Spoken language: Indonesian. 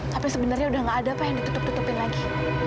tapi sebenarnya udah gak ada pak yang ditutup tutupin lagi